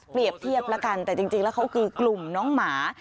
เทียบแล้วกันแต่จริงแล้วเขาคือกลุ่มน้องหมา